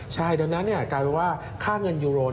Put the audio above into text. ใช่ดังนั้นกลายเป็นว่าค่าเงินยูโรน